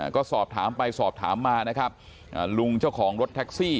ก็สอบถามไปสอบถามมานะครับลุงเจ้าของรถแท็กซี่